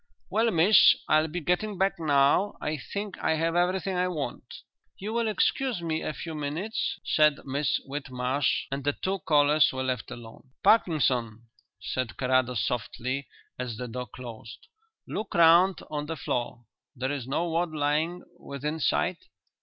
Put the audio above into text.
"Well, miss, I'll be getting back now. I think I have everything I want." "You will excuse me a few minutes?" said Miss Whitmarsh, and the two callers were left alone. "Parkinson," said Carrados softly, as the door closed, "look round on the floor. There is no wad lying within sight?"